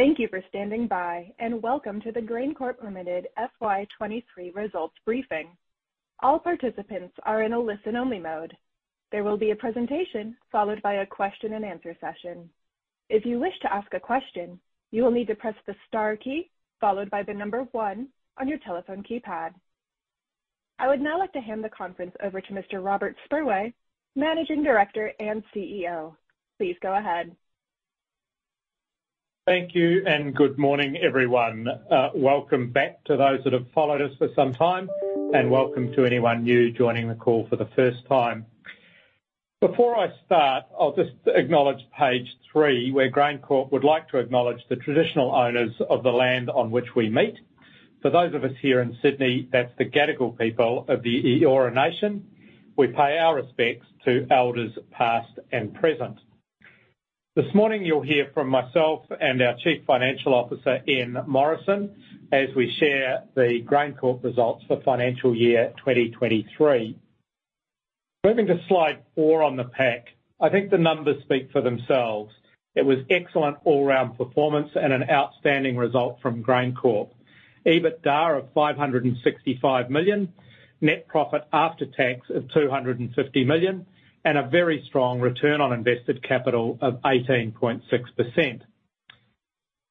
Thank you for standing by, and welcome to the GrainCorp Limited FY23 results briefing. All participants are in a listen-only mode. There will be a presentation followed by a question-and-answer session. If you wish to ask a question, you will need to press the star key followed by one on your telephone keypad. I would now like to hand the conference over to Mr. Robert Spurway, Managing Director and CEO. Please go ahead. Thank you, and good morning, everyone. Welcome back to those that have followed us for some time, and welcome to anyone new joining the call for the first time. Before I start, I'll just acknowledge page three, where GrainCorp would like to acknowledge the traditional owners of the land on which we meet. For those of us here in Sydney, that's the Gadigal people of the Eora Nation. We pay our respects to elders, past and present. This morning, you'll hear from myself and our Chief Financial Officer, Ian Morrison, as we share the GrainCorp results for financial year 2023. Moving to slide four on the pack, I think the numbers speak for themselves. It was excellent all-around performance and an outstanding result from GrainCorp. EBITDA of 565 million, net profit after tax of 250 million, and a very strong return on invested capital of 18.6%.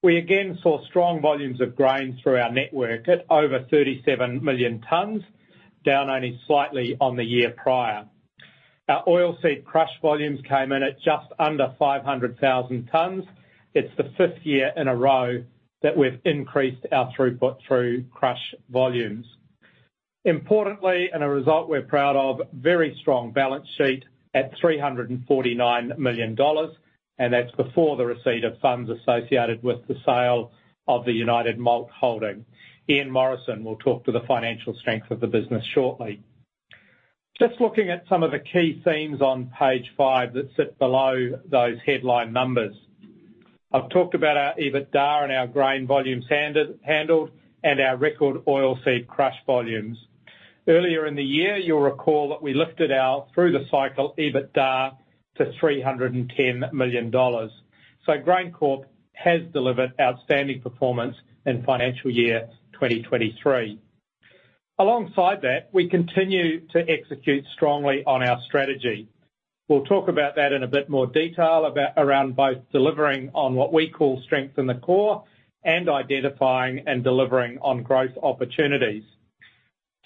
We again saw strong volumes of grain through our network at over 37 million tons, down only slightly on the year prior. Our oilseed crush volumes came in at just under 500,000 tons. It's the 5th year in a row that we've increased our throughput through crush volumes. Importantly, and a result we're proud of, very strong balance sheet at 349 million dollars, and that's before the receipt of funds associated with the sale of the United Malt holding. Ian Morrison will talk to the financial strength of the business shortly. Just looking at some of the key themes on page five that sit below those headline numbers. I've talked about our EBITDA and our grain volumes handled, and our record oilseed crush volumes. Earlier in the year, you'll recall that we lifted our through-the-cycle EBITDA to AUD uncertain million. So GrainCorp has delivered outstanding performance in financial year 2023. Alongside that, we continue to execute strongly on our strategy. We'll talk about that in a bit more detail, about, around both delivering on what we call strength in the core and identifying and delivering on growth opportunities.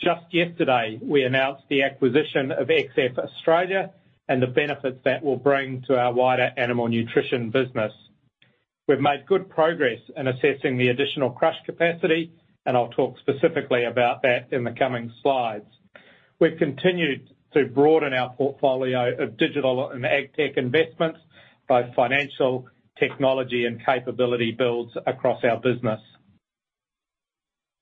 Just yesterday, we announced the acquisition of XF Australia and the benefits that will bring to our wider animal nutrition business. We've made good progress in assessing the additional crush capacity, and I'll talk specifically about that in the coming slides. We've continued to broaden our portfolio of digital and agtech investments, both financial, technology, and capability builds across our business.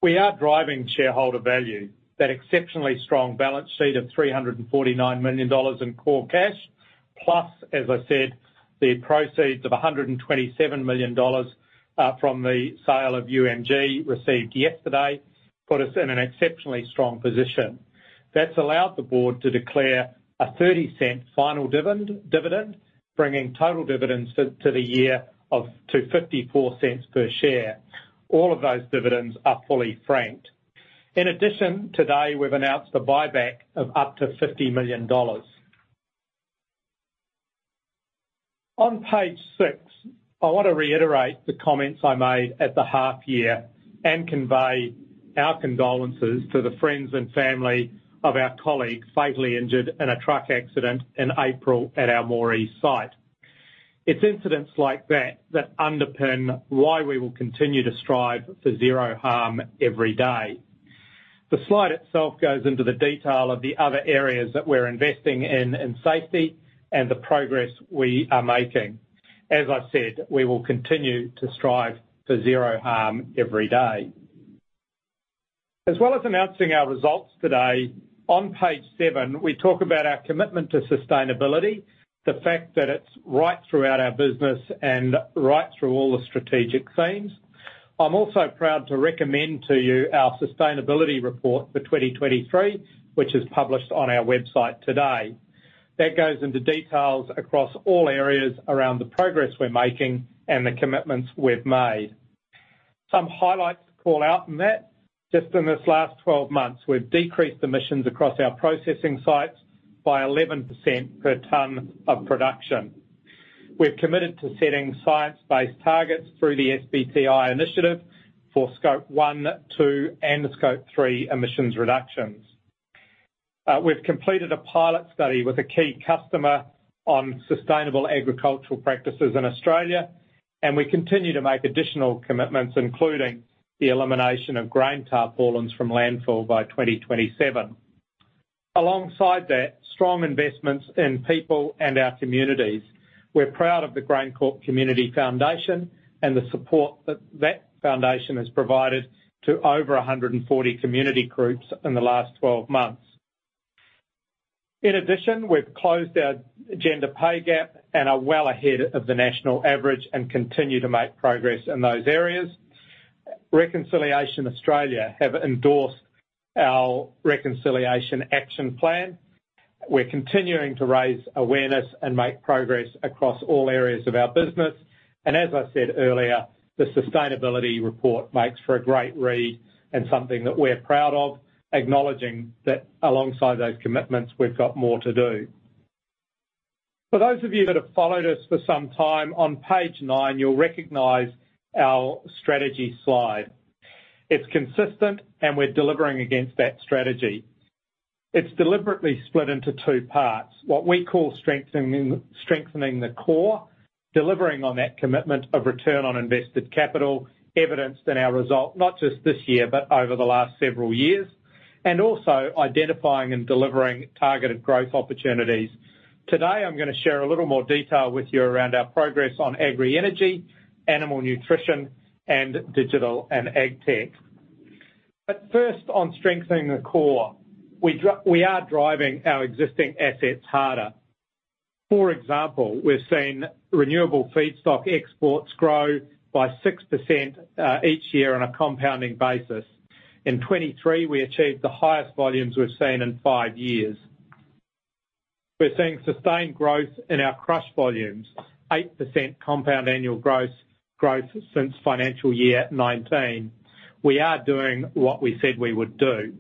We are driving shareholder value. That exceptionally strong balance sheet of 349 million dollars in core cash, plus, as I said, the proceeds of 127 million dollars from the sale of UMG received yesterday, put us in an exceptionally strong position. That's allowed the board to declare a 0.30 final dividend, dividend, bringing total dividends to the year of 0.54 per share. All of those dividends are fully franked. In addition, today, we've announced a buyback of up to 50 million dollars. On page 6, I want to reiterate the comments I made at the half year and convey our condolences to the friends and family of our colleagues fatally injured in a truck accident in April at our Moree site. It's incidents like that that underpin why we will continue to strive for zero harm every day. The slide itself goes into the detail of the other areas that we're investing in, in safety and the progress we are making. As I said, we will continue to strive for zero harm every day. As well as announcing our results today, on page seven, we talk about our commitment to sustainability, the fact that it's right throughout our business and right through all the strategic themes. I'm also proud to recommend to you our sustainability report for 2023, which is published on our website today. That goes into details across all areas around the progress we're making and the commitments we've made. Some highlights to call out from that, just in this last 12 months, we've decreased emissions across our processing sites by 11% per ton of production. We've committed to setting science-based targets through the SBTi initiative for Scope one, two, and three emissions reductions. We've completed a pilot study with a key customer on sustainable agricultural practices in Australia, and we continue to make additional commitments, including the elimination of grain tarpaulins from landfill by 2027. Alongside that, strong investments in people and our communities. We're proud of the GrainCorp Community Foundation and the support that that foundation has provided to over 140 community groups in the last 12 months. In addition, we've closed our gender pay gap and are well ahead of the national average and continue to make progress in those areas. Reconciliation Australia have endorsed our Reconciliation Action Plan. We're continuing to raise awareness and make progress across all areas of our business, and as I said earlier, the sustainability report makes for a great read and something that we're proud of, acknowledging that alongside those commitments, we've got more to do. For those of you that have followed us for some time, on page nine, you'll recognize our strategy slide. It's consistent, and we're delivering against that strategy. It's deliberately split into two parts, what we call strengthening, strengthening the core, delivering on that commitment of return on invested capital, evidenced in our result, not just this year, but over the last several years, and also identifying and delivering targeted growth opportunities. Today, I'm gonna share a little more detail with you around our progress on agri energy, animal nutrition, and digital and ag tech. But first, on strengthening the core, we are driving our existing assets harder. For example, we've seen renewable feedstock exports grow by 6% each year on a compounding basis. In 2023, we achieved the highest volumes we've seen in five years. We're seeing sustained growth in our crush volumes, 8% compound annual growth, growth since financial year 2019. We are doing what we said we would do.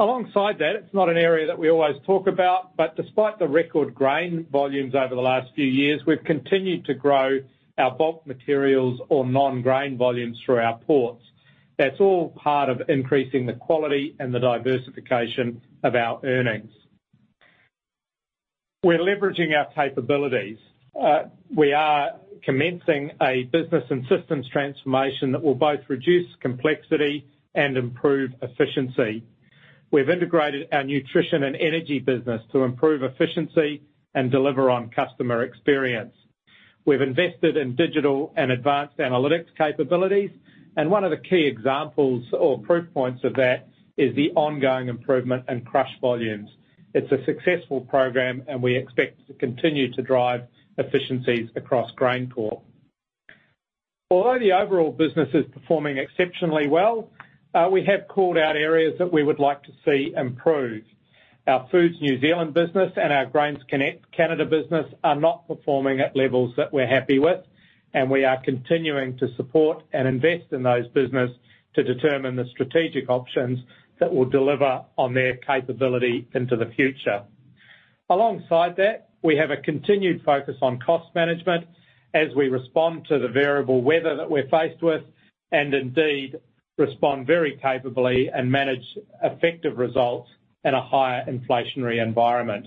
Alongside that, it's not an area that we always talk about, but despite the record grain volumes over the last few years, we've continued to grow our bulk materials or non-grain volumes through our ports. That's all part of increasing the quality and the diversification of our earnings. We're leveraging our capabilities. We are commencing a business and systems transformation that will both reduce complexity and improve efficiency. We've integrated our nutrition and energy business to improve efficiency and deliver on customer experience. We've invested in digital and advanced analytics capabilities, and one of the key examples or proof points of that is the ongoing improvement in crush volumes. It's a successful program, and we expect to continue to drive efficiencies across GrainCorp. Although the overall business is performing exceptionally well, we have called out areas that we would like to see improved. Our Foods New Zealand business and our GrainsConnect Canada business are not performing at levels that we're happy with, and we are continuing to support and invest in those business to determine the strategic options that will deliver on their capability into the future. Alongside that, we have a continued focus on cost management as we respond to the variable weather that we're faced with and indeed, respond very capably and manage effective results in a higher inflationary environment.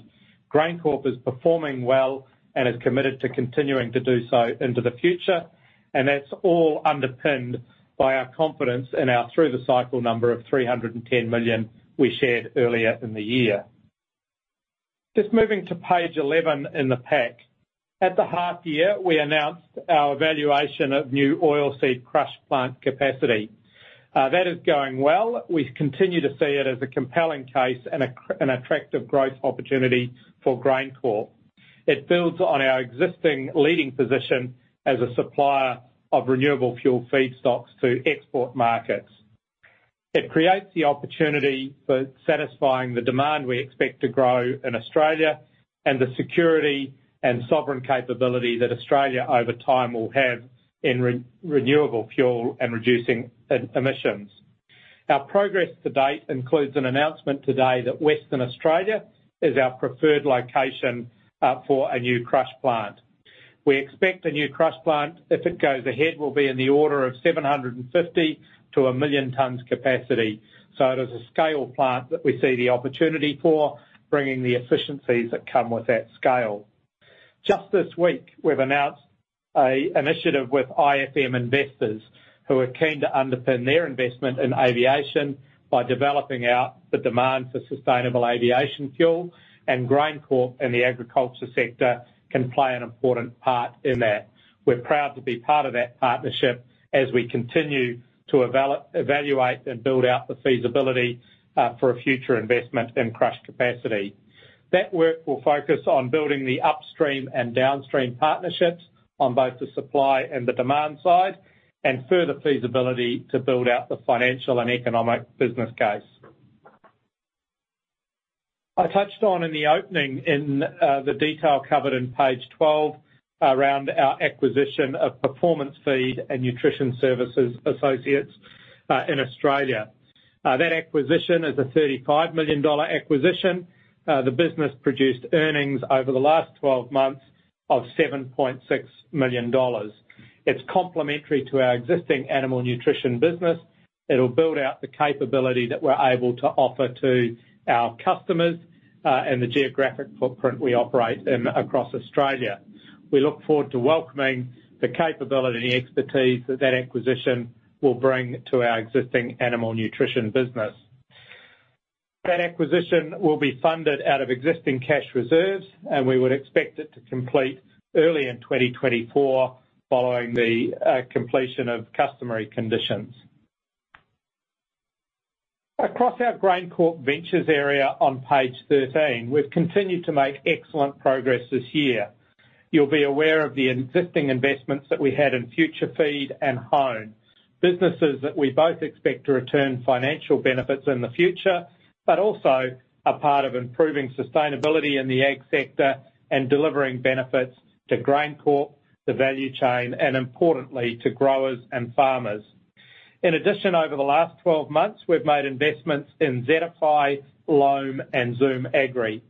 GrainCorp is performing well and is committed to continuing to do so into the future, and that's all underpinned by our confidence in our through-the-cycle number of 310 million we shared earlier in the year. Just moving to page 11 in the pack. At the half year, we announced our evaluation of new oilseed crush plant capacity. That is going well. We continue to see it as a compelling case and an attractive growth opportunity for GrainCorp. It builds on our existing leading position as a supplier of renewable fuel feedstocks to export markets. It creates the opportunity for satisfying the demand we expect to grow in Australia, and the security and sovereign capability that Australia, over time, will have in renewable fuel and reducing emissions. Our progress to date includes an announcement today that Western Australia is our preferred location for a new crush plant. We expect the new crush plant, if it goes ahead, will be in the order of 750-1,000,000 tons capacity. So it is a scale plant that we see the opportunity for, bringing the efficiencies that come with that scale. Just this week, we've announced an initiative with IFM Investors, who are keen to underpin their investment in aviation by developing out the demand for Sustainable Aviation Fuel, and GrainCorp and the agriculture sector can play an important part in that. We're proud to be part of that partnership as we continue to evaluate and build out the feasibility for a future investment in crush capacity. That work will focus on building the upstream and downstream partnerships on both the supply and the demand side, and further feasibility to build out the financial and economic business case. I touched on in the opening in the detail covered in page 12 around our acquisition of Performance Feeds and Nutrition Service Associates in Australia. That acquisition is a 35 million dollar acquisition. The business produced earnings over the last 12 months of 7.6 million dollars. It's complementary to our existing animal nutrition business. It'll build out the capability that we're able to offer to our customers and the geographic footprint we operate in across Australia. We look forward to welcoming the capability and expertise that that acquisition will bring to our existing animal nutrition business. That acquisition will be funded out of existing cash reserves, and we would expect it to complete early in 2024, following the completion of customary conditions. Across our GrainCorp Ventures area on page 13, we've continued to make excellent progress this year. You'll be aware of the existing investments that we had in FutureFeed and Hone, businesses that we both expect to return financial benefits in the future, but also a part of improving sustainability in the ag sector and delivering benefits to GrainCorp, the value chain, and importantly, to growers and farmers. In addition, over the last 12 months, we've made investments in ZetiFi, Loam, and Zoom Agri.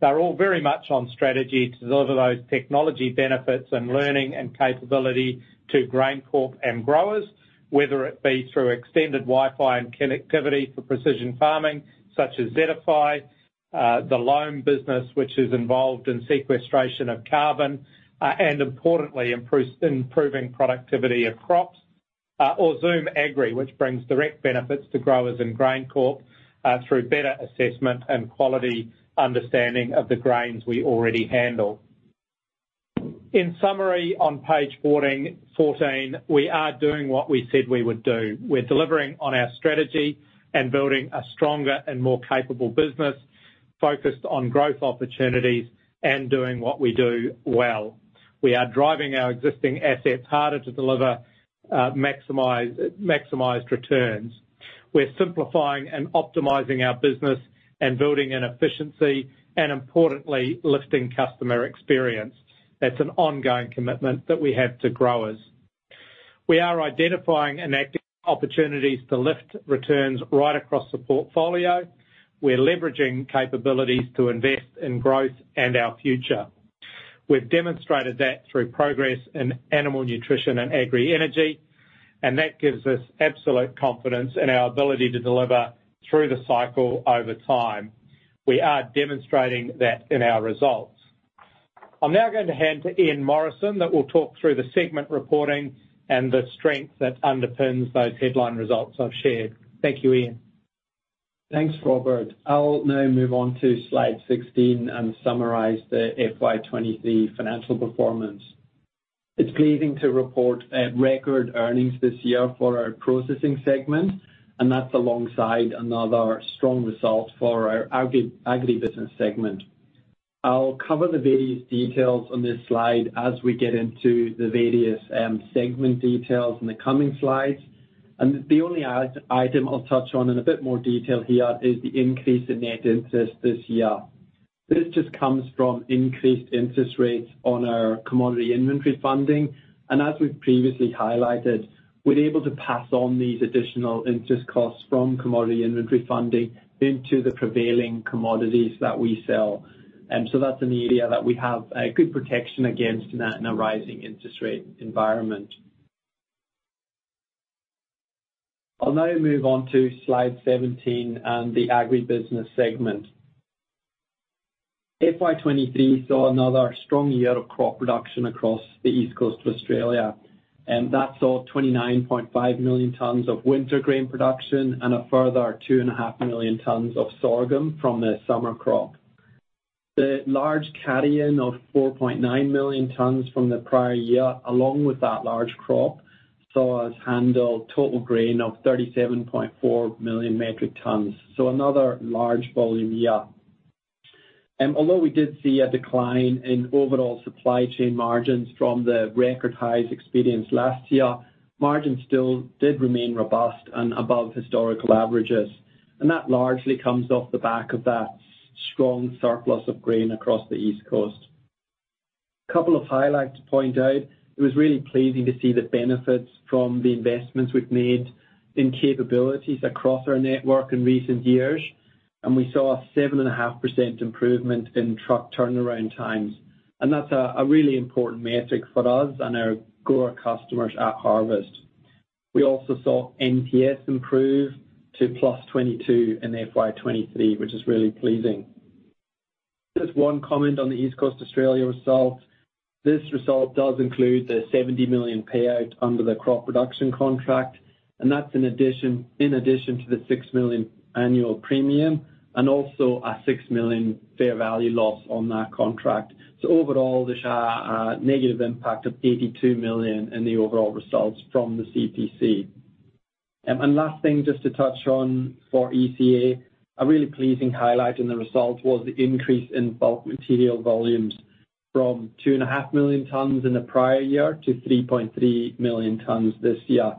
They're all very much on strategy to deliver those technology benefits and learning and capability to GrainCorp and growers, whether it be through extended Wi-Fi and connectivity for precision farming, such as ZetiFi, the Loam business, which is involved in sequestration of carbon, and importantly, improving productivity of crops, or Zoom Agri, which brings direct benefits to growers in GrainCorp, through better assessment and quality understanding of the grains we already handle. In summary, on page 14, we are doing what we said we would do. We're delivering on our strategy and building a stronger and more capable business focused on growth opportunities and doing what we do well. We are driving our existing assets harder to deliver maximized returns. We're simplifying and optimizing our business and building in efficiency and importantly, lifting customer experience. That's an ongoing commitment that we have to growers. We are identifying and acting opportunities to lift returns right across the portfolio. We're leveraging capabilities to invest in growth and our future. We've demonstrated that through progress in animal nutrition and agri energy, and that gives us absolute confidence in our ability to deliver through the cycle over time. We are demonstrating that in our results. I'm now going to hand to Ian Morrison, that will talk through the segment reporting and the strength that underpins those headline results I've shared. Thank you, Ian. Thanks, Robert. I'll now move on to slide 16 and summarize the FY 2023 financial performance. It's pleasing to report record earnings this year for our processing segment, and that's alongside another strong result for our agri business segment. I'll cover the various details on this slide as we get into the various segment details in the coming slides. And the only additional item I'll touch on in a bit more detail here is the increase in net interest this year. This just comes from increased interest rates on our commodity inventory funding, and as we've previously highlighted, we're able to pass on these additional interest costs from commodity inventory funding into the prevailing commodities that we sell. And so that's an area that we have a good protection against in a rising interest rate environment. I'll now move on to slide 17 and the Agribusiness segment. FY 2023 saw another strong year of crop production across the East Coast of Australia, and that saw 29.5 million tons of winter grain production and a further 2.5 million tons of sorghum from the summer crop. The large carry-in of 4.9 million tons from the prior year, along with that large crop, saw us handle total grain of 37.4 million metric tons, so another large volume year. And although we did see a decline in overall supply chain margins from the record highs experienced last year, margins still did remain robust and above historical averages, and that largely comes off the back of that strong surplus of grain across the East Coast. A couple of highlights to point out. It was really pleasing to see the benefits from the investments we've made in capabilities across our network in recent years, and we saw a 7.5% improvement in truck turnaround times. That's a really important metric for us and our grower customers at harvest. We also saw NPS improve to +22 in FY 2023, which is really pleasing. Just one comment on the East Coast Australia result. This result does include the 70 million payout under the crop production contract, and that's in addition to the 6 million annual premium and also a 6 million fair value loss on that contract. So overall, there's a negative impact of 82 million in the overall results from the CPC. And last thing, just to touch on for ECA, a really pleasing highlight in the results was the increase in bulk material volumes from 2.5 million tons in the prior year to 3.3 million tons this year.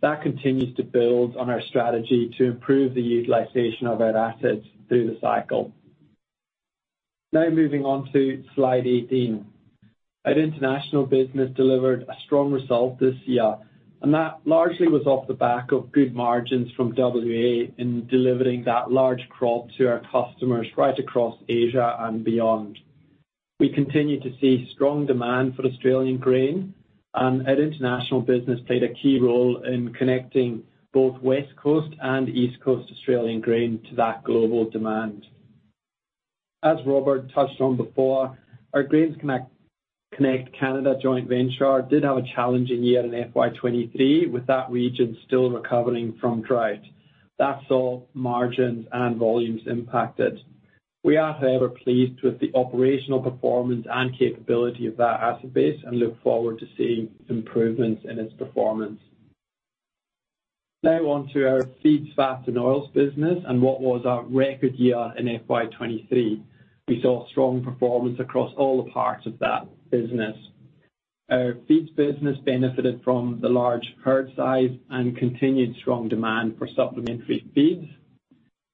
That continues to build on our strategy to improve the utilization of our assets through the cycle. Now moving on to slide 18. Our international business delivered a strong result this year, and that largely was off the back of good margins from WA in delivering that large crop to our customers right across Asia and beyond. We continue to see strong demand for Australian grain, and our international business played a key role in connecting both West Coast and East Coast Australian grain to that global demand. As Robert touched on before, our GrainsConnect Canada joint venture did have a challenging year in FY 23, with that region still recovering from drought. That saw margins and volumes impacted. We are, however, pleased with the operational performance and capability of that asset base and look forward to seeing improvements in its performance. Now on to our Feeds, Fats and Oils business and what was our record year in FY 23. We saw strong performance across all the parts of that business. Our feeds business benefited from the large herd size and continued strong demand for supplementary feeds.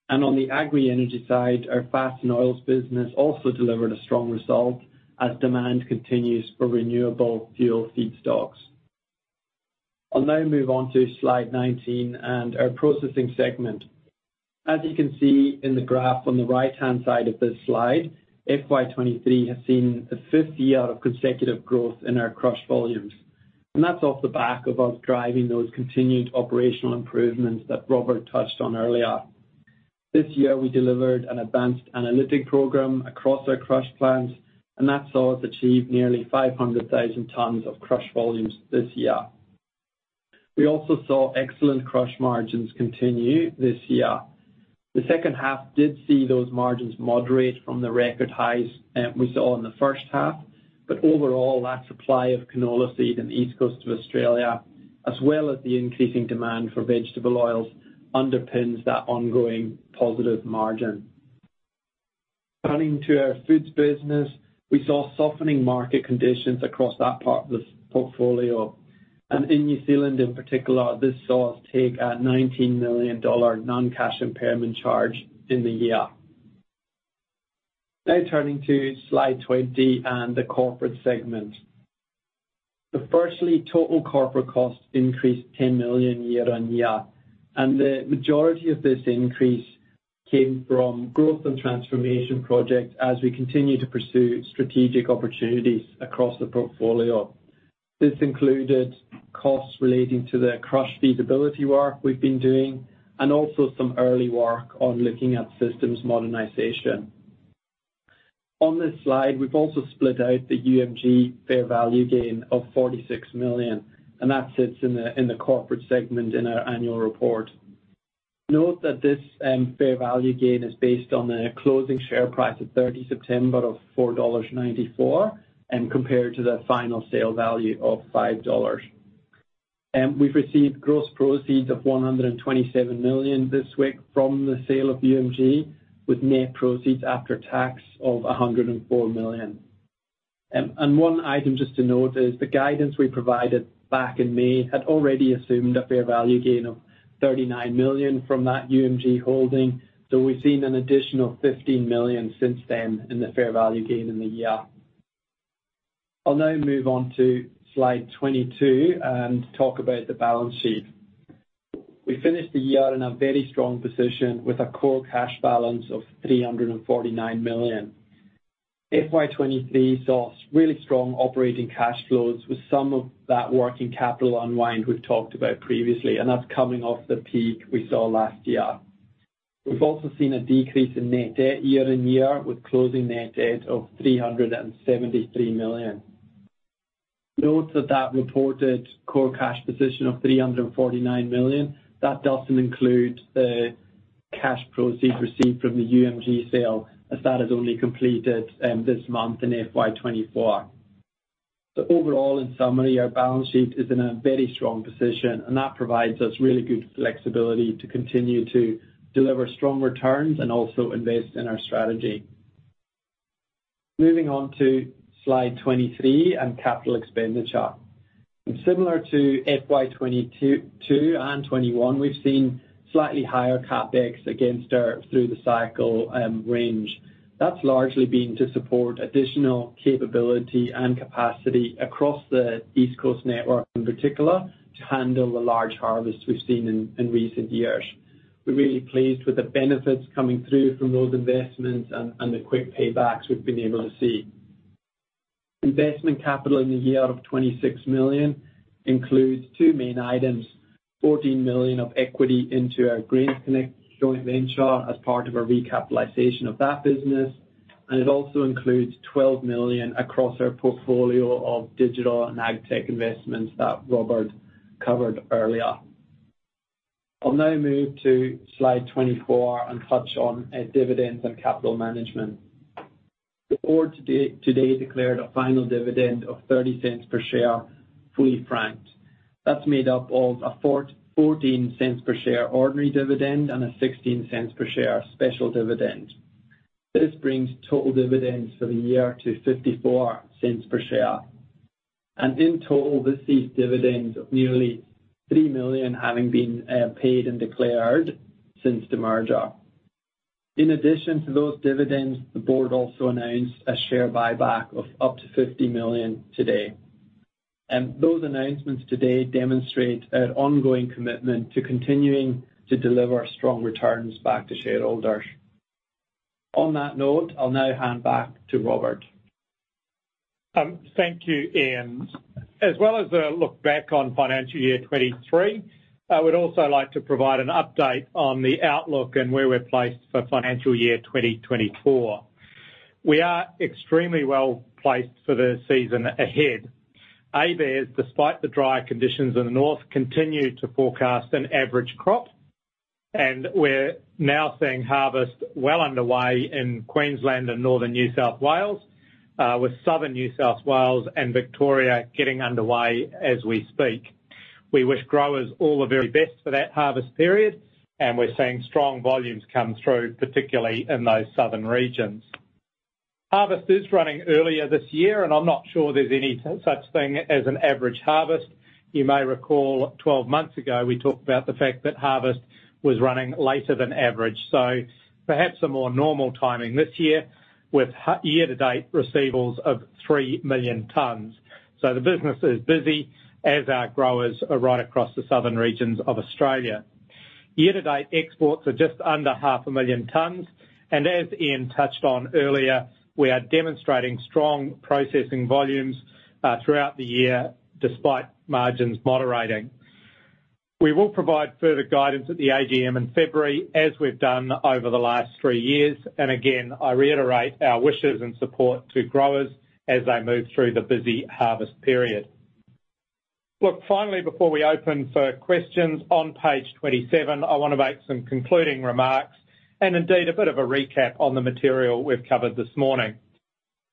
And on the agri-energy side, our Fats and Oils business also delivered a strong result as demand continues for renewable fuel feedstocks. I'll now move on to slide 19 and our processing segment. As you can see in the graph on the right-hand side of this slide, FY 2023 has seen the 5th year of consecutive growth in our crush volumes, and that's off the back of us driving those continued operational improvements that Robert touched on earlier. This year, we delivered an advanced analytic program across our crush plants, and that saw us achieve nearly 500,000 tons of crush volumes this year. We also saw excellent crush margins continue this year. The H2 did see those margins moderate from the record highs we saw in the H1, but overall, that supply of canola seed in the East Coast of Australia, as well as the increasing demand for vegetable oils, underpins that ongoing positive margin. Turning to our foods business, we saw softening market conditions across that part of the portfolio, and in New Zealand, in particular, this saw us take an 19 million dollar non-cash impairment charge in the year. Now turning to slide 20 and the corporate segment. So firstly, total corporate costs increased 10 million year-on-year, and the majority of this increase came from growth and transformation projects as we continue to pursue strategic opportunities across the portfolio. This included costs relating to the crush feasibility work we've been doing, and also some early work on looking at systems modernization. On this slide, we've also split out the UMG fair value gain of 46 million, and that sits in the corporate segment in our annual report. Note that this, fair value gain is based on a closing share price of 30 September of 4.94 dollars, and compared to the final sale value of 5 dollars. We've received gross proceeds of 127 million this week from the sale of UMG, with net proceeds after tax of 104 million. And one item just to note is the guidance we provided back in May had already assumed a fair value gain of 39 million from that UMG holding, so we've seen an additional 15 million since then in the fair value gain in the year. I'll now move on to slide 22 and talk about the balance sheet. We finished the year in a very strong position with a core cash balance of 349 million. FY 2023 saw really strong operating cash flows, with some of that working capital unwind we've talked about previously, and that's coming off the peak we saw last year. We've also seen a decrease in net debt year-on-year, with closing net debt of 373 million. Note that, that reported core cash position of 349 million, that doesn't include the cash proceeds received from the UMG sale, as that is only completed this month in FY 2024. So overall, in summary, our balance sheet is in a very strong position, and that provides us really good flexibility to continue to deliver strong returns and also invest in our strategy. Moving on to slide 23 and capital expenditure. Similar to FY 2022, 2021 and 2020, we've seen slightly higher CapEx against our through-the-cycle range. That's largely been to support additional capability and capacity across the East Coast network, in particular, to handle the large harvest we've seen in recent years. We're really pleased with the benefits coming through from those investments and the quick paybacks we've been able to see. Investment capital in the year of 26 million includes two main items: 14 million of equity into our GrainsConnect joint venture as part of a recapitalization of that business, and it also includes 12 million across our portfolio of digital and agtech investments that Robert covered earlier. I'll now move to slide 24 and touch on our dividends and capital management. The board today declared a final dividend of 0.30 per share, fully franked. That's made up of a fourteen cents per share ordinary dividend and a sixteen cents per share special dividend. This brings total dividends for the year to 0.54 per share. In total, this sees dividends of nearly 3 million having been paid and declared since the merger. In addition to those dividends, the board also announced a share buyback of up to 50 million today. Those announcements today demonstrate our ongoing commitment to continuing to deliver strong returns back to shareholders. On that note, I'll now hand back to Robert. Thank you, Ian. As well as a look back on financial year 2023, I would also like to provide an update on the outlook and where we're placed for financial year 2024. We are extremely well placed for the season ahead. ABARES, despite the dry conditions in the north, continue to forecast an average crop, and we're now seeing harvest well underway in Queensland and northern New South Wales, with southern New South Wales and Victoria getting underway as we speak. We wish growers all the very best for that harvest period, and we're seeing strong volumes come through, particularly in those southern regions. Harvest is running earlier this year, and I'm not sure there's any such thing as an average harvest. You may recall 12 months ago, we talked about the fact that harvest was running later than average. Perhaps a more normal timing this year with year-to-date receivables of three million tons. So the business is busy as our growers are right across the southern regions of Australia. Year-to-date, exports are just under 500,000 tons, and as Ian touched on earlier, we are demonstrating strong processing volumes throughout the year, despite margins moderating. We will provide further guidance at the AGM in February, as we've done over the last three years. And again, I reiterate our wishes and support to growers as they move through the busy harvest period. Look, finally, before we open for questions, on page 27, I wanna make some concluding remarks, and indeed, a bit of a recap on the material we've covered this morning.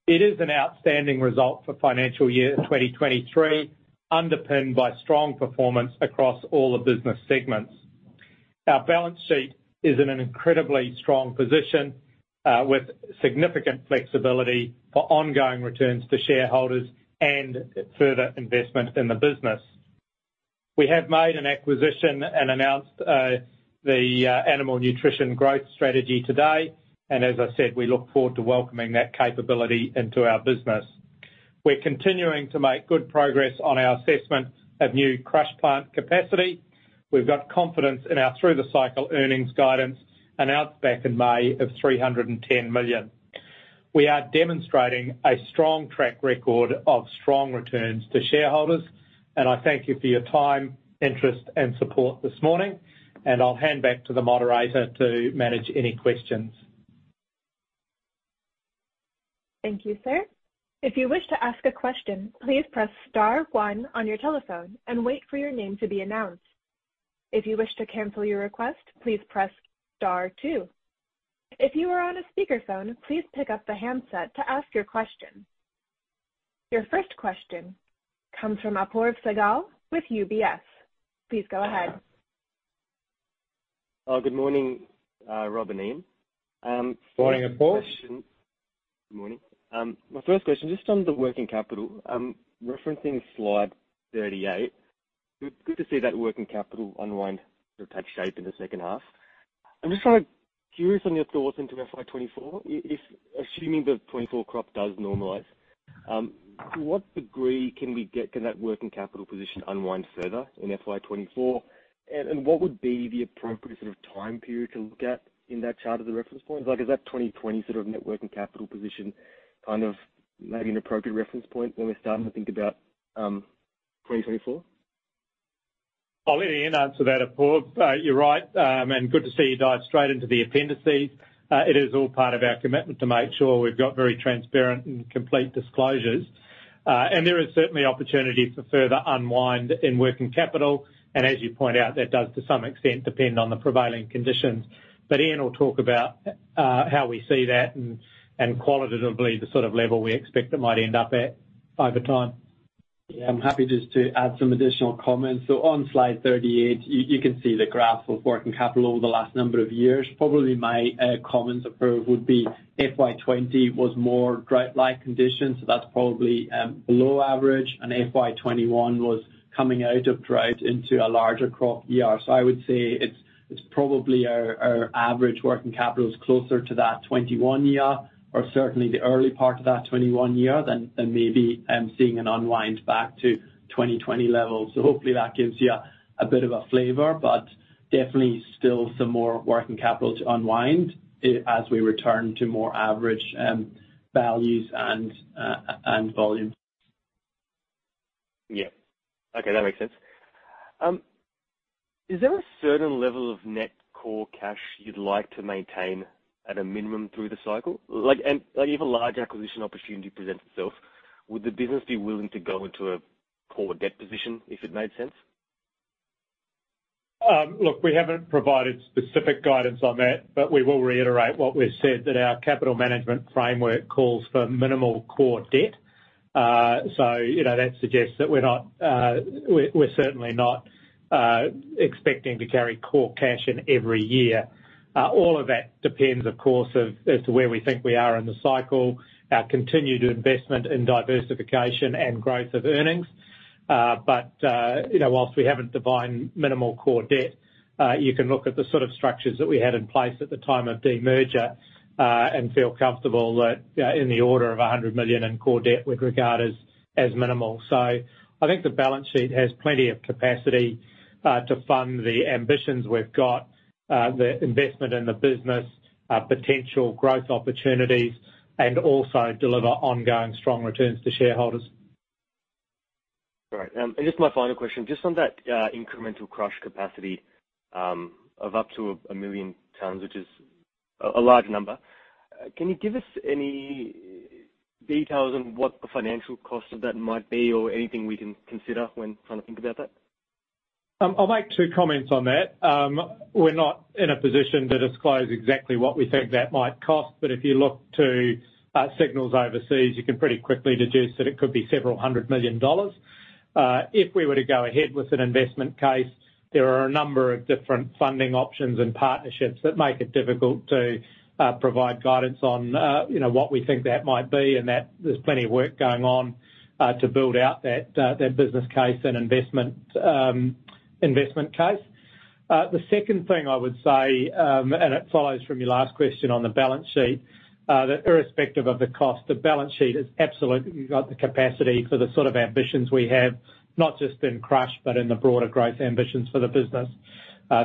It is an outstanding result for financial year 2023, underpinned by strong performance across all the business segments. Our balance sheet is in an incredibly strong position with significant flexibility for ongoing returns to shareholders and further investment in the business. We have made an acquisition and announced the animal nutrition growth strategy today, and as I said, we look forward to welcoming that capability into our business. We're continuing to make good progress on our assessment of new crush plant capacity. We've got confidence in our through-the-cycle earnings guidance and out back in May of 310 million. We are demonstrating a strong track record of strong returns to shareholders, and I thank you for your time, interest, and support this morning, and I'll hand back to the moderator to manage any questions. Thank you, sir. If you wish to ask a question, please press star one on your telephone and wait for your name to be announced. If you wish to cancel your request, please press star two. If you are on a speakerphone, please pick up the handset to ask your question. Your first question comes from Apoorv Sehgal with UBS. Please go ahead. Good morning, Rob and Ian. First question- Morning, Apoorv. Good morning. My first question, just on the working capital, referencing slide 38. Good to see that working capital unwind sort of take shape in the H2. I'm just sort of curious on your thoughts into FY 2024. If assuming the 2024 crop does normalize, to what degree can we get, can that working capital position unwind further in FY 2024? And what would be the appropriate sort of time period to look at in that chart as a reference point? Like, is that 2020 sort of net working capital position, kind of maybe an appropriate reference point when we're starting to think about 2024? I'll let Ian answer that, Apoorv. You're right, and good to see you dive straight into the appendices. It is all part of our commitment to make sure we've got very transparent and complete disclosures. And there is certainly opportunity for further unwind in working capital, and as you point out, that does, to some extent, depend on the prevailing conditions. But Ian will talk about how we see that and, and qualitatively, the sort of level we expect it might end up at over time. Yeah, I'm happy just to add some additional comments. So on slide 38, you can see the graph of working capital over the last number of years. Probably my comments Apoorv would be FY 20 was more drought-like conditions, so that's probably below average. And FY 21 was coming out of drought into a larger crop year. So I would say it's probably our average working capital is closer to that 21 year, or certainly the early part of that 21 year, than maybe seeing an unwind back to 2020 levels. So hopefully that gives you a bit of a flavor, but definitely still some more working capital to unwind as we return to more average values and volumes. Yeah. Okay, that makes sense. Is there a certain level of net core cash you'd like to maintain at a minimum through the cycle? Like, if a large acquisition opportunity presents itself, would the business be willing to go into a core debt position if it made sense? Look, we haven't provided specific guidance on that, but we will reiterate what we've said, that our capital management framework calls for minimal core debt. So you know, that suggests that we're certainly not expecting to carry core cash in every year. All of that depends, of course, as to where we think we are in the cycle, our continued investment in diversification and growth of earnings. But you know, whilst we haven't defined minimal core debt, you can look at the sort of structures that we had in place at the time of demerger, and feel comfortable that in the order of 100 million in core debt we'd regard as minimal. I think the balance sheet has plenty of capacity to fund the ambitions we've got, the investment in the business, potential growth opportunities, and also deliver ongoing strong returns to shareholders. All right, and just my final question, just on that, incremental crush capacity, of up to 1 million tons, which is-... a large number. Can you give us any details on what the financial cost of that might be, or anything we can consider when trying to think about that? I'll make two comments on that. We're not in a position to disclose exactly what we think that might cost, but if you look to signals overseas, you can pretty quickly deduce that it could be several hundred million AUD. If we were to go ahead with an investment case, there are a number of different funding options and partnerships that make it difficult to provide guidance on, you know, what we think that might be, and that there's plenty of work going on to build out that business case and investment case. The second thing I would say, and it follows from your last question on the balance sheet, that irrespective of the cost, the balance sheet has absolutely got the capacity for the sort of ambitions we have, not just in crush, but in the broader growth ambitions for the business.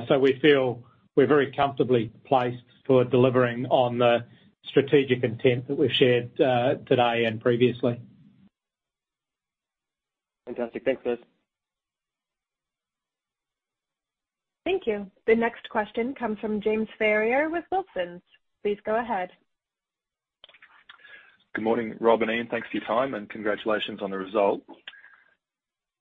So we feel we're very comfortably placed toward delivering on the strategic intent that we've shared, today and previously. Fantastic. Thanks, Ian. Thank you. The next question comes from James Ferrier with Wilsons. Please go ahead. Good morning, Rob and Ian. Thanks for your time, and congratulations on the result.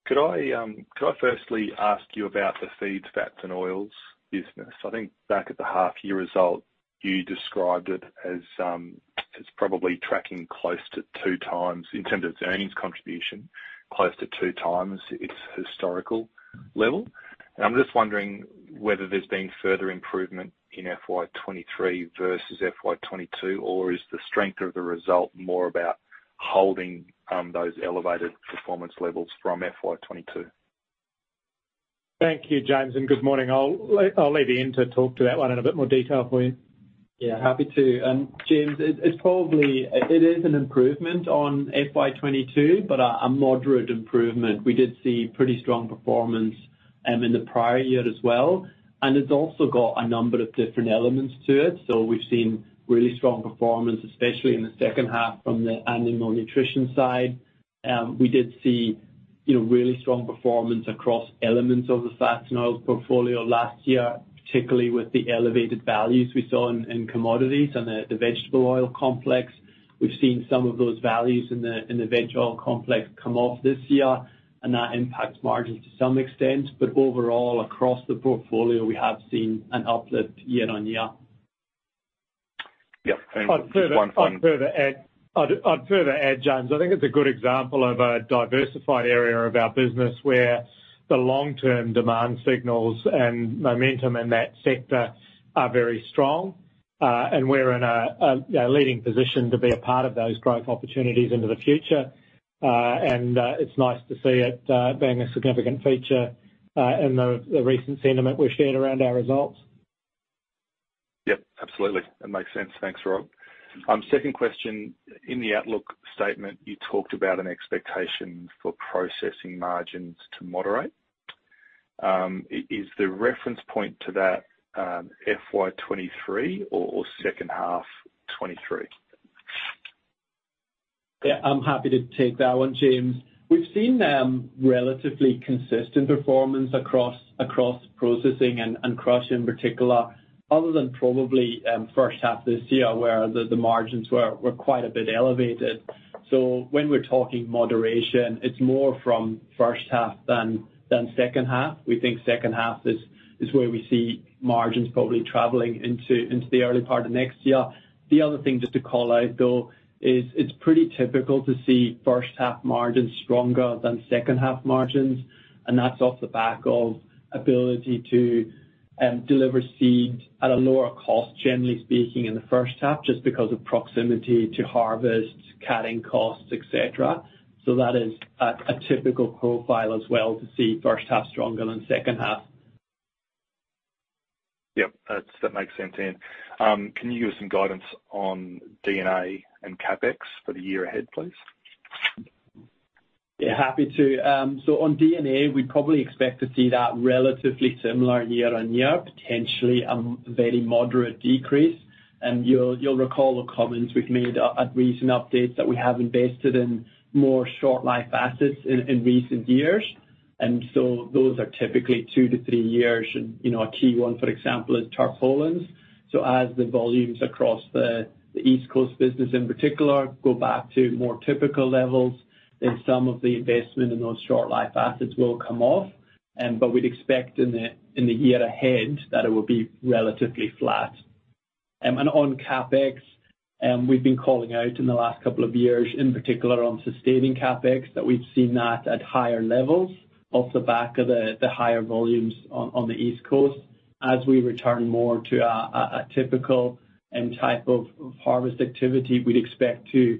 Could I, could I firstly ask you about the feeds, fats, and oils business? I think back at the half year result, you described it as, as probably tracking close to two times - in terms of its earnings contribution, close to two times its historical level. And I'm just wondering whether there's been further improvement in FY 2023 versus FY 2022, or is the strength of the result more about holding, those elevated performance levels from FY 2022? Thank you, James, and good morning. I'll leave Ian to talk to that one in a bit more detail for you. Yeah, happy to. James, it's probably... It is an improvement on FY 2022, but a moderate improvement. We did see pretty strong performance in the prior year as well, and it's also got a number of different elements to it. So we've seen really strong performance, especially in the H2 from the animal nutrition side. We did see, you know, really strong performance across elements of the fats and oils portfolio last year, particularly with the elevated values we saw in commodities and the vegetable oil complex. We've seen some of those values in the veg oil complex come off this year, and that impacts margins to some extent. But overall, across the portfolio, we have seen an uplift year-on-year. Yep, and just one thing- I'd further add, James, I think it's a good example of a diversified area of our business, where the long-term demand signals and momentum in that sector are very strong, and we're in a leading position to be a part of those growth opportunities into the future. And it's nice to see it being a significant feature in the recent sentiment we've shared around our results. Yep, absolutely. That makes sense. Thanks, Rob. Second question: In the outlook statement, you talked about an expectation for processing margins to moderate. Is the reference point to that, FY 2023 or H2 2023? Yeah, I'm happy to take that one, James. We've seen relatively consistent performance across processing and crush in particular, other than probably H1 this year, where the margins were quite a bit elevated. So when we're talking moderation, it's more from H1 than H2. We think H2 is where we see margins probably traveling into the early part of next year. The other thing just to call out, though, is it's pretty typical to see H1 margins stronger than H2 margins, and that's off the back of ability to deliver seeds at a lower cost, generally speaking, in the H1, just because of proximity to harvest, cutting costs, et cetera. So that is a typical profile as well, to see H1 stronger than H2. Yep, that's, that makes sense, Ian. Can you give us some guidance on D&A and CapEx for the year ahead, please? Yeah, happy to. So on D&A, we'd probably expect to see that relatively similar year-on-year, potentially very moderate decrease. And you'll recall the comments we've made at recent updates, that we have invested in more short-life assets in recent years. And so those are typically two-three years. And, you know, a key one, for example, is tarpaulins. So as the volumes across the East Coast business in particular go back to more typical levels, then some of the investment in those short-life assets will come off. But we'd expect in the year ahead that it will be relatively flat. And on CapEx, we've been calling out in the last couple of years, in particular on sustaining CapEx, that we've seen that at higher levels off the back of the higher volumes on the East Coast. As we return more to a typical end type of harvest activity, we'd expect to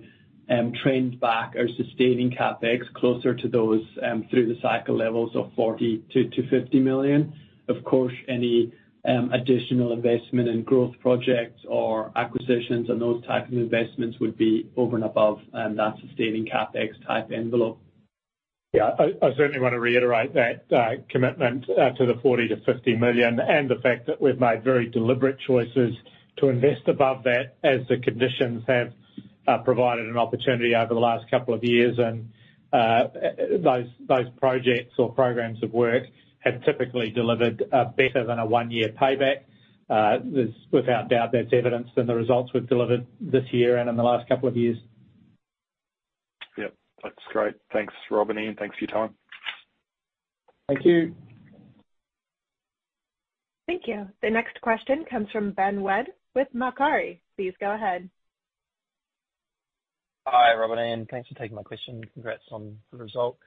trend back our sustaining CapEx closer to those through-the-cycle levels of 40 million-50 million. Of course, any additional investment in growth projects or acquisitions and those type of investments would be over and above that sustaining CapEx type envelope. Yeah, I certainly want to reiterate that commitment to the 40 million-50 million, and the fact that we've made very deliberate choices to invest above that as the conditions have provided an opportunity over the last couple of years. And, those projects or programs of work have typically delivered better than a one-year payback. There's without doubt that's evidenced in the results we've delivered this year and in the last couple of years.... Yep, that's great. Thanks, Robert, and thanks for your time. Thank you. Thank you. The next question comes from Ben Wedd with Macquarie. Please go ahead. Hi, Robin, and thanks for taking my question. Congrats on the result.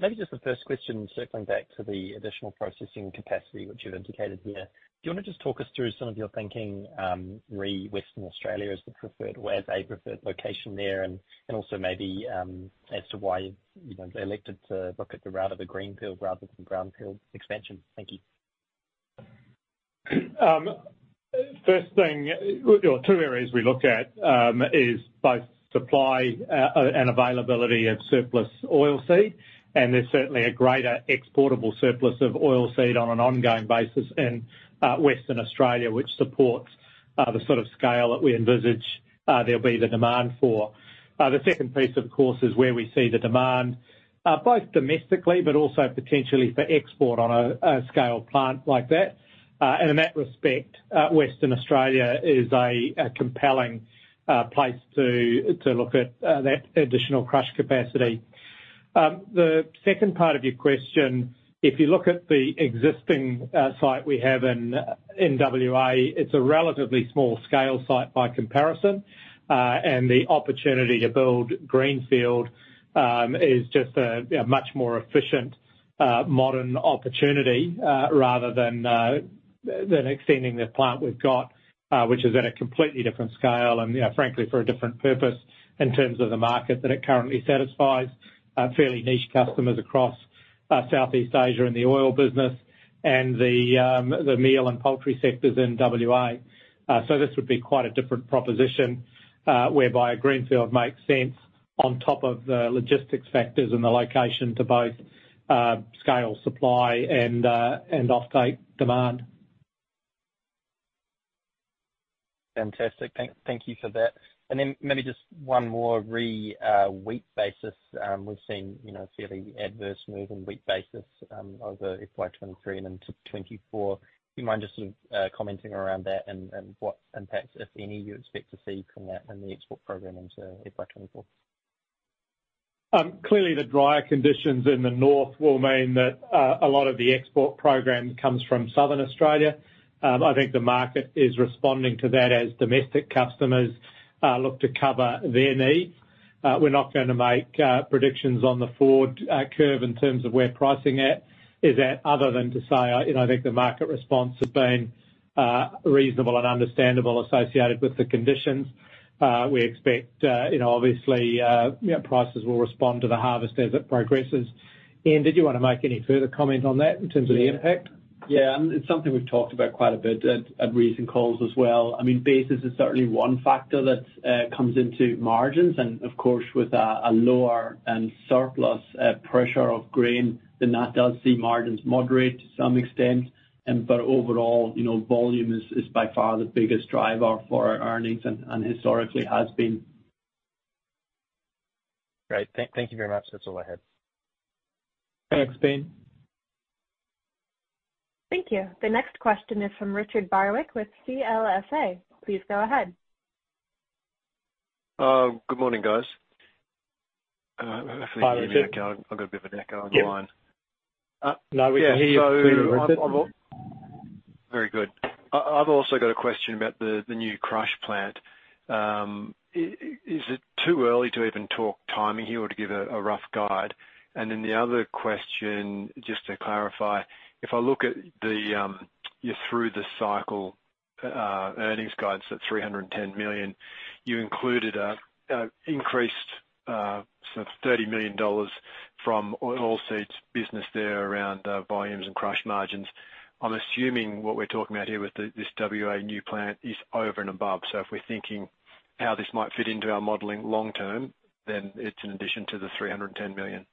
Maybe just the first question, circling back to the additional processing capacity which you've indicated here. Do you wanna just talk us through some of your thinking, re: Western Australia as the preferred, as a preferred location there? And also maybe as to why, you know, they elected to look at the route of a greenfield rather than brownfield expansion. Thank you. First thing, or two areas we look at is both supply and availability of surplus oilseed, and there's certainly a greater exportable surplus of oilseed on an ongoing basis in Western Australia, which supports the sort of scale that we envisage there'll be the demand for. The second piece, of course, is where we see the demand both domestically but also potentially for export on a scale plant like that. And in that respect, Western Australia is a compelling place to look at that additional crush capacity. The second part of your question, if you look at the existing site we have in NSW, it's a relatively small scale site by comparison. And the opportunity to build greenfield is just a much more efficient modern opportunity rather than extending the plant we've got, which is at a completely different scale and, you know, frankly, for a different purpose in terms of the market that it currently satisfies fairly niche customers across Southeast Asia in the oil business and the meal and poultry sectors in WA. So this would be quite a different proposition whereby a greenfield makes sense on top of the logistics factors and the location to both scale supply and offtake demand. Fantastic. Thank, thank you for that. And then maybe just one more re: wheat basis. We've seen, you know, a fairly adverse move in wheat basis over FY 2023 and into 2024. Do you mind just sort of commenting around that and what impacts, if any, you expect to see from that in the export program into FY 2024? Clearly the drier conditions in the north will mean that a lot of the export program comes from southern Australia. I think the market is responding to that as domestic customers look to cover their needs. We're not gonna make predictions on the forward curve in terms of we're pricing at, is at, other than to say, you know, I think the market response has been reasonable and understandable associated with the conditions. We expect, you know, obviously, you know, prices will respond to the harvest as it progresses. Ian, did you want to make any further comment on that in terms of the impact? Yeah, and it's something we've talked about quite a bit at recent calls as well. I mean, Basis is certainly one factor that comes into margins, and of course, with a lower and surplus pressure of grain, then that does see margins moderate to some extent. But overall, you know, volume is by far the biggest driver for our earnings and historically has been. Great. Thank you very much. That's all I had. Thanks, Ben. Thank you. The next question is from Richard Barwick with CLSA. Please go ahead. Good morning, guys. If I can hear you back, I've got a bit of an echo on the line. Yep. No, we can hear you pretty well, Richard. Very good. I've also got a question about the new crush plant. Is it too early to even talk timing here or to give a rough guide? And then the other question, just to clarify, if I look at the, you know, through the cycle earnings guides at 310 million, you included a increased sort of 30 million dollars from oilseeds business there around volumes and crush margins. I'm assuming what we're talking about here with this WA new plant is over and above. So if we're thinking how this might fit into our modeling long term, then it's in addition to the 310 million.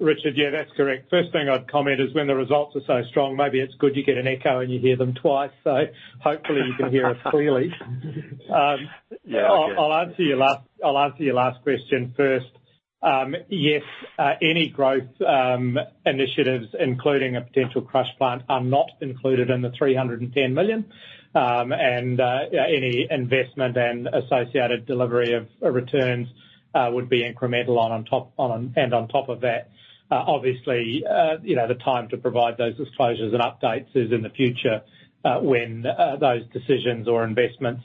Richard, yeah, that's correct. First thing I'd comment is when the results are so strong, maybe it's good you get an echo, and you hear them twice. So hopefully you can hear us clearly. Yeah. I'll answer your last question first. Yes, any growth initiatives, including a potential crush plant, are not included in the 310 million. And any investment and associated delivery of returns would be incremental on top of that, obviously, you know, the time to provide those disclosures and updates is in the future, when those decisions or investments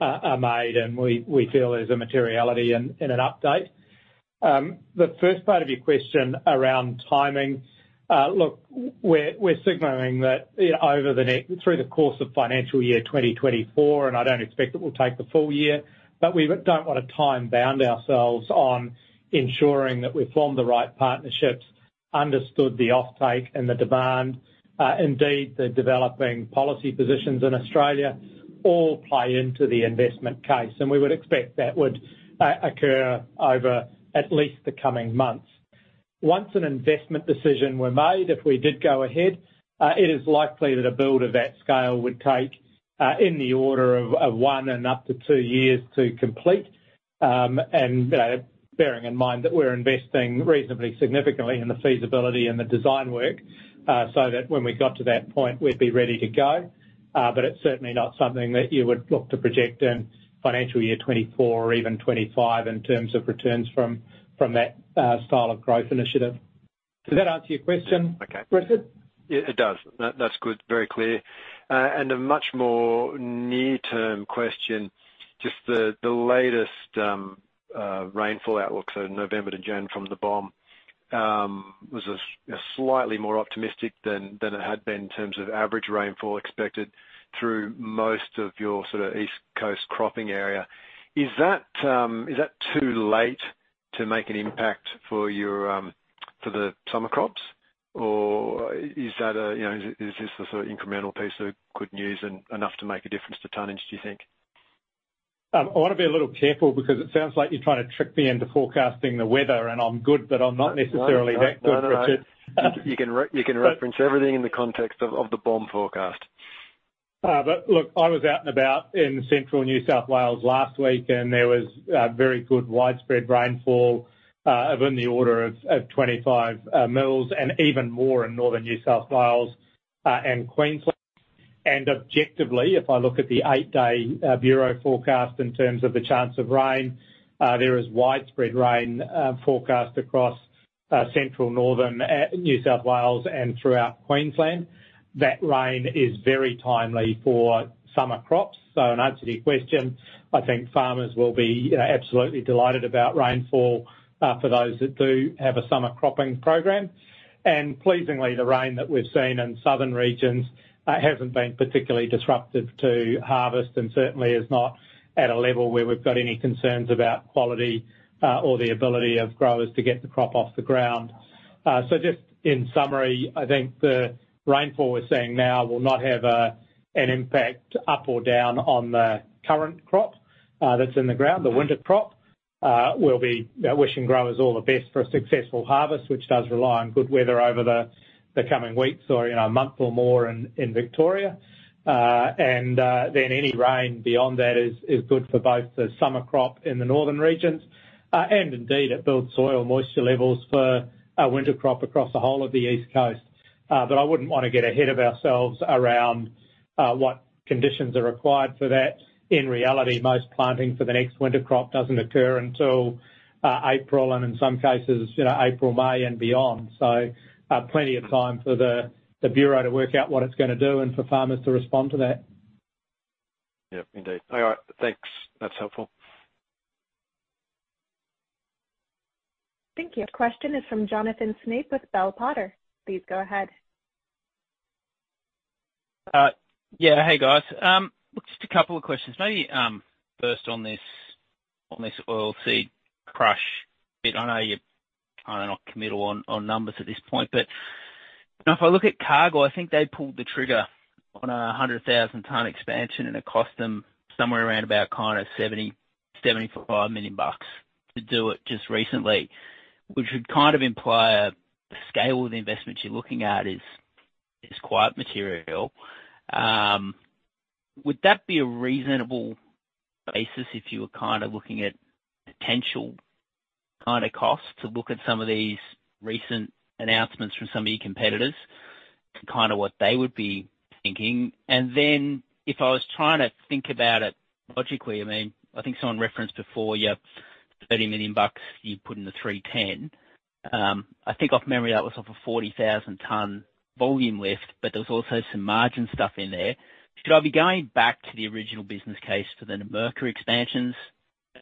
are made, and we feel there's a materiality and an update. The first part of your question around timing, look, we're signaling that, you know, over the next... through the course of financial year 2024, and I don't expect it will take the full year, but we don't want to time-bound ourselves on ensuring that we've formed the right partnerships, understood the offtake and the demand. Indeed, the developing policy positions in Australia all play into the investment case, and we would expect that would occur over at least the coming months. Once an investment decision were made, if we did go ahead, it is likely that a build of that scale would take, in the order of one and up to two years to complete. And, bearing in mind that we're investing reasonably significantly in the feasibility and the design work, so that when we got to that point, we'd be ready to go. But it's certainly not something that you would look to project in financial year 2024 or even 2025 in terms of returns from that style of growth initiative.... Does that answer your question? Yeah, okay. Richard? It does. That's good, very clear. And a much more near-term question, just the latest rainfall outlook, so November to January from the BOM, was a slightly more optimistic than it had been in terms of average rainfall expected through most of your sort of East Coast cropping area. Is that too late to make an impact for your for the summer crops? Or is that a, you know, is this the sort of incremental piece of good news and enough to make a difference to tonnage, do you think? I wanna be a little careful because it sounds like you're trying to trick me into forecasting the weather, and I'm good, but I'm not necessarily that good, Richard. You can reference everything in the context of the BOM forecast. But look, I was out and about in central New South Wales last week, and there was very good widespread rainfall of in the order of 25 mils, and even more in northern New South Wales and Queensland. Objectively, if I look at the eight-day Bureau forecast in terms of the chance of rain, there is widespread rain forecast across central northern New South Wales and throughout Queensland. That rain is very timely for summer crops. So in answer to your question, I think farmers will be absolutely delighted about rainfall for those that do have a summer cropping program. Pleasingly, the rain that we've seen in southern regions hasn't been particularly disruptive to harvest, and certainly is not at a level where we've got any concerns about quality or the ability of growers to get the crop off the ground. Just in summary, I think the rainfall we're seeing now will not have an impact up or down on the current crop that's in the ground. The winter crop, we'll be wishing growers all the best for a successful harvest, which does rely on good weather over the coming weeks or, you know, a month or more in Victoria. Then any rain beyond that is good for both the summer crop in the northern regions and indeed, it builds soil moisture levels for our winter crop across the whole of the East Coast. But I wouldn't wanna get ahead of ourselves around what conditions are required for that. In reality, most planting for the next winter crop doesn't occur until April, and in some cases, you know, April, May and beyond. So, plenty of time for the Bureau to work out what it's gonna do and for farmers to respond to that. Yep, indeed. All right, thanks. That's helpful. Thank you. Question is from Jonathan Snape with Bell Potter. Please go ahead. Yeah, hey, guys. Look, just a couple of questions. Maybe first on this, on this oilseed crush bit. I know you're kind of not committal on, on numbers at this point, but you know, if I look at Cargill, I think they pulled the trigger on a 100,000-ton expansion, and it cost them somewhere around about kind of $70 million-$75 million to do it just recently, which would kind of imply a scale of the investment you're looking at is quite material. Would that be a reasonable basis if you were kind of looking at potential kind of costs to look at some of these recent announcements from some of your competitors to kind of what they would be thinking? Then, if I was trying to think about it logically, I mean, I think someone referenced before, you have 30 million bucks you put in the 310. I think from memory, that was off a 40,000-ton volume lift, but there was also some margin stuff in there. Should I be going back to the original business case for the Numurkah expansions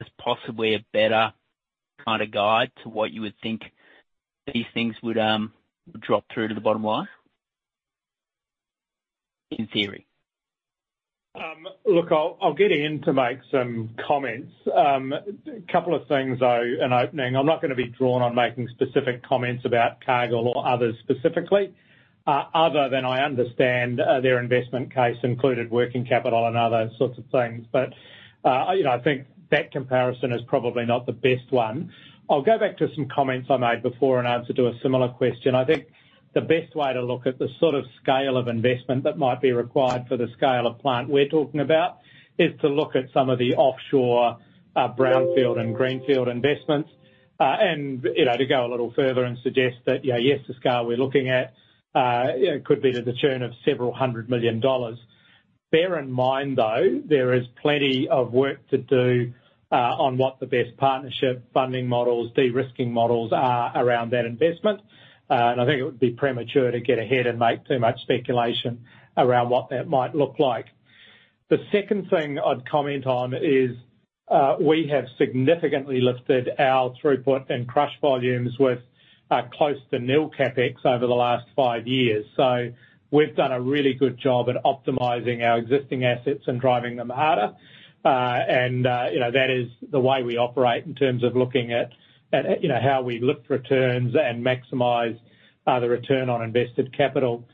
as possibly a better kind of guide to what you would think these things would drop through to the bottom line, in theory? Look, I'll, I'll get in to make some comments. A couple of things though, in opening, I'm not gonna be drawn on making specific comments about Cargill or others specifically, other than I understand, their investment case included working capital and other sorts of things. But, you know, I think that comparison is probably not the best one. I'll go back to some comments I made before in answer to a similar question. I think the best way to look at the sort of scale of investment that might be required for the scale of plant we're talking about, is to look at some of the offshore, brownfield and greenfield investments. And, you know, to go a little further and suggest that, you know, yes, the scale we're looking at, you know, could be to the tune of several hundred million AUD. Bear in mind, though, there is plenty of work to do on what the best partnership funding models, de-risking models are around that investment. And I think it would be premature to get ahead and make too much speculation around what that might look like. The second thing I'd comment on is, we have significantly lifted our throughput and crush volumes with close to nil CapEx over the last five years. So we've done a really good job at optimizing our existing assets and driving them harder. And, you know, that is the way we operate in terms of looking at, you know, how we look for returns and maximize the return on invested capital.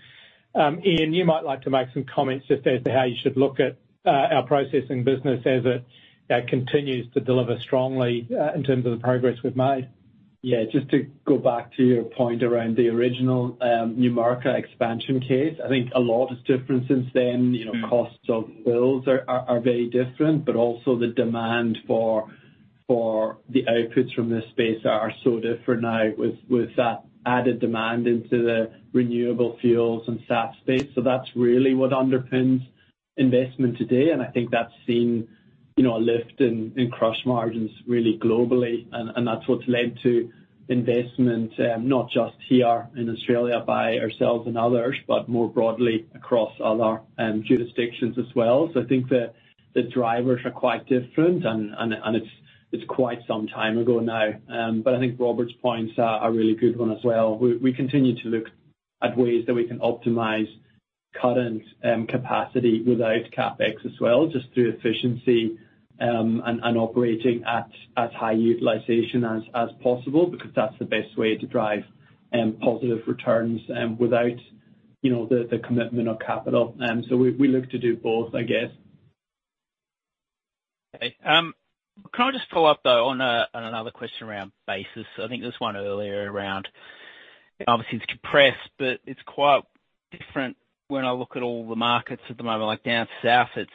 Ian, you might like to make some comments just as to how you should look at our Processing business as it continues to deliver strongly in terms of the progress we've made. Yeah, just to go back to your point around the original Numurkah expansion case, I think a lot is different since then. You know, costs of builds are very different, but also the demand for the outputs from this space are so different now with that added demand into the renewable fuels and SAF space. So that's really what underpins investment today, and I think that's seen you know, a lift in crush margins really globally, and that's what's led to investment not just here in Australia by ourselves and others, but more broadly across other jurisdictions as well. So I think the drivers are quite different and it's quite some time ago now. But I think Robert's points are really good one as well. We continue to look at ways that we can optimize current capacity without CapEx as well, just through efficiency and operating at high utilization as possible, because that's the best way to drive positive returns without you know the commitment of capital. So we look to do both, I guess. Okay, can I just follow up, though, on another question around basis? I think there's one earlier around... Obviously, it's compressed, but it's quite different when I look at all the markets at the moment. Like down south, it's,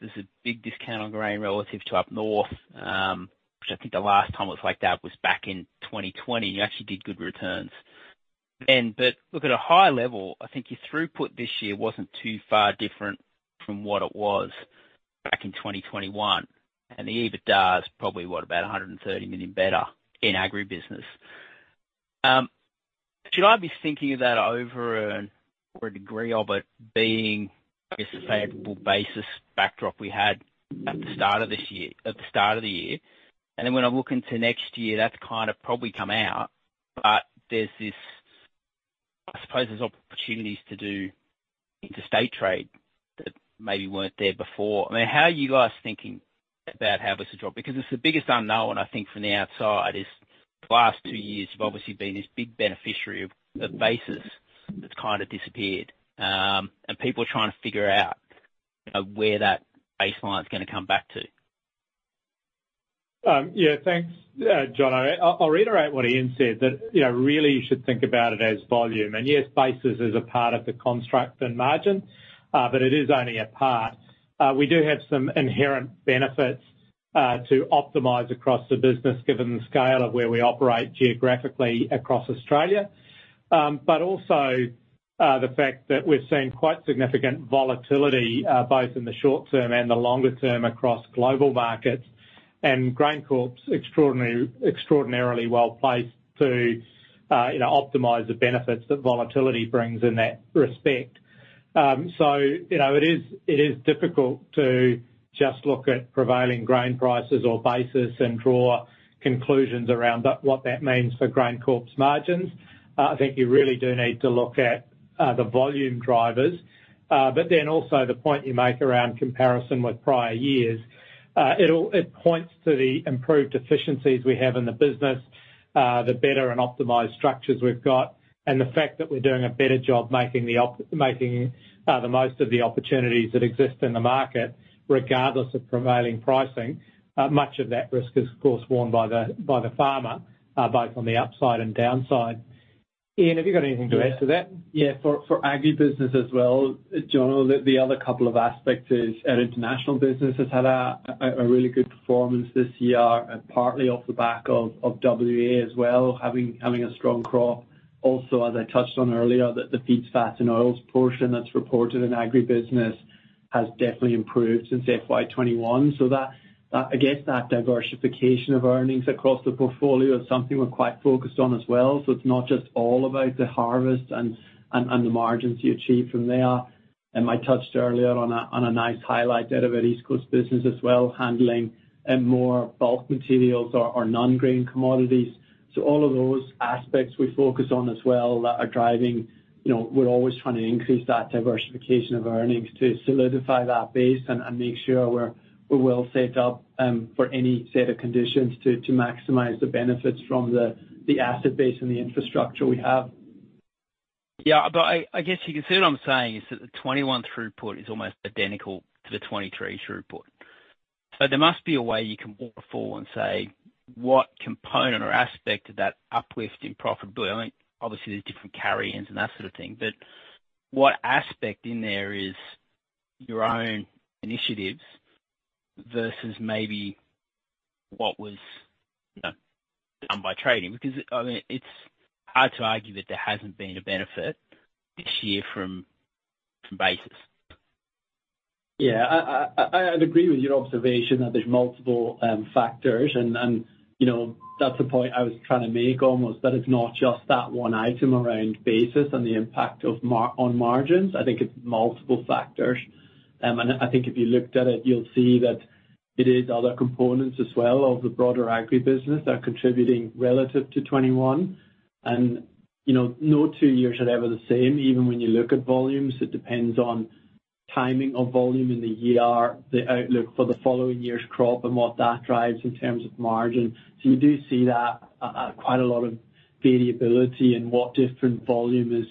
there's a big discount on grain relative to up north. Which I think the last time it was like that was back in 2020, you actually did good returns. But look, at a high level, I think your throughput this year wasn't too far different from what it was back in 2021, and the EBITDA is probably, what? About 130 million better in agribusiness. Should I be thinking of that over an or a degree of it being a sustainable basis backdrop we had at the start of this year, at the start of the year? And then when I look into next year, that's kind of probably come out. But there's this, I suppose there's opportunities to do interstate trade that maybe weren't there before. I mean, how are you guys thinking about how it was to drop? Because it's the biggest unknown, I think, from the outside, is the last two years have obviously been this big beneficiary of, of basis that's kind of disappeared. And people are trying to figure out, you know, where that baseline is gonna come back to. Yeah, thanks, John. I'll reiterate what Ian said, that you know, really you should think about it as volume. And yes, basis is a part of the construct and margin, but it is only a part. We do have some inherent benefits to optimize across the business, given the scale of where we operate geographically across Australia. But also, the fact that we're seeing quite significant volatility both in the short term and the longer term across global markets, and GrainCorp's extraordinarily well placed to you know, optimize the benefits that volatility brings in that respect. So you know, it is difficult to just look at prevailing grain prices or basis and draw conclusions around that, what that means for GrainCorp's margins. I think you really do need to look at the volume drivers, but then also the point you make around comparison with prior years. It points to the improved efficiencies we have in the business, the better and optimized structures we've got, and the fact that we're doing a better job making the most of the opportunities that exist in the market, regardless of prevailing pricing. Much of that risk is, of course, worn by the farmer, both on the upside and downside. Ian, have you got anything to add to that? Yeah. For agribusiness as well, John, the other couple of aspects is our international business has had a really good performance this year, partly off the back of WA as well, having a strong crop. Also, as I touched on earlier, that the feeds, fats and oils portion that's reported in agribusiness has definitely improved since FY 2021. So that, I guess that diversification of earnings across the portfolio is something we're quite focused on as well. So it's not just all about the harvest and the margins you achieve from there. And I touched earlier on a nice highlight out of our East Coast business as well, handling more bulk materials or non-grain commodities. So all of those aspects we focus on as well, that are driving... You know, we're always trying to increase that diversification of earnings to solidify that base and make sure we're well set up for any set of conditions to maximize the benefits from the asset base and the infrastructure we have. Yeah, but I, I guess you can see what I'm saying is that the 2021 throughput is almost identical to the 2023 throughput. So there must be a way you can look forward and say, what component or aspect of that uplift in profitability? I think obviously there's different carry-ins and that sort of thing, but what aspect in there is your own initiatives versus maybe what was, you know, done by trading? Because, I mean, it's hard to argue that there hasn't been a benefit this year from, from basis. Yeah, I would agree with your observation that there's multiple factors, and, you know, that's the point I was trying to make, almost, that it's not just that one item around basis and the impact of margin on margins. I think it's multiple factors. And I think if you looked at it, you'll see that it is other components as well of the broader agribusiness that are contributing relative to 2021. And, you know, no two years are ever the same. Even when you look at volumes, it depends on timing of volume in the year, the outlook for the following year's crop and what that drives in terms of margin. So you do see that quite a lot of variability in what different volume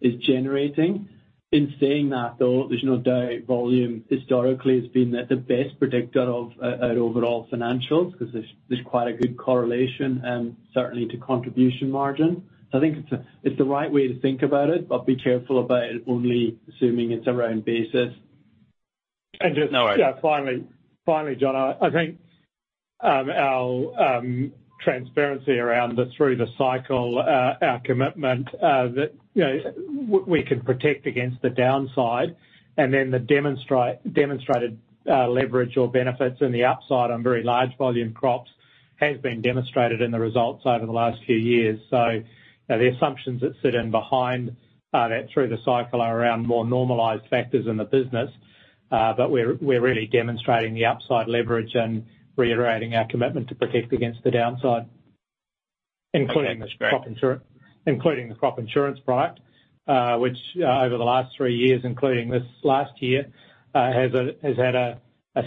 is generating. In saying that, though, there's no doubt volume historically has been the best predictor of our overall financials, 'cause there's quite a good correlation, certainly to contribution margin. So I think it's the right way to think about it, but be careful about only assuming it's around basis. No worry. Yeah, finally, John, I think, our transparency around the through-the-cycle, our commitment, that, you know, we can protect against the downside and then the demonstrated leverage or benefits in the upside on very large volume crops, has been demonstrated in the results over the last few years. So the assumptions that sit behind that through-the-cycle are around more normalized factors in the business, but we're really demonstrating the upside leverage and reiterating our commitment to protect against the downside, including the crop insurance product, which, over the last three years, including this last year, has had a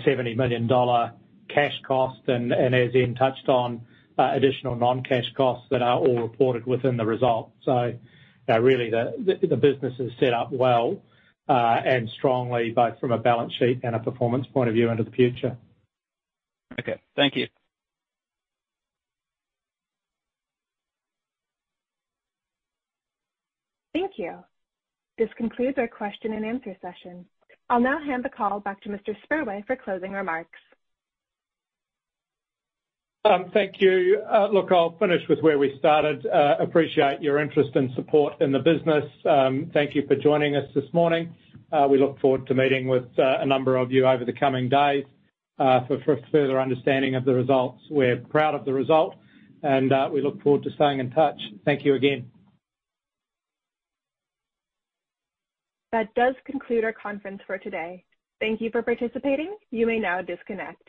70 million dollar cash cost and, as Ian touched on, additional non-cash costs that are all reported within the results. Really, the business is set up well and strongly, both from a balance sheet and a performance point of view into the future. Okay, thank you. Thank you. This concludes our question and answer session. I'll now hand the call back to Mr. Spurway for closing remarks. Thank you. Look, I'll finish with where we started. Appreciate your interest and support in the business. Thank you for joining us this morning. We look forward to meeting with a number of you over the coming days, for further understanding of the results. We're proud of the result, and we look forward to staying in touch. Thank you again. That does conclude our conference for today. Thank you for participating. You may now disconnect.